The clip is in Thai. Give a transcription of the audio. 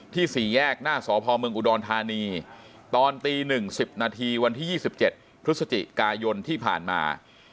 สี่แยกหน้าสพเมืองอุดรธานีตอนตี๑๐นาทีวันที่๒๗พฤศจิกายนที่ผ่านมา